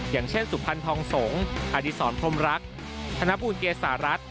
อย่างเช่นสุพรรณทองสงฆ์อดีศรพรมรักธนบูลเกษารัฐ